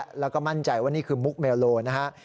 แล้วก็มั่นใจว่านี่คือมุกเมลโลนะฮะ